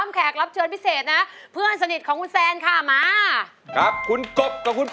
ขอบคุณครับครับ